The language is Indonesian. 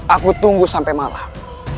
aku menunggu sampai malam